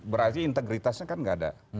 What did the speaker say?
berarti integritasnya kan nggak ada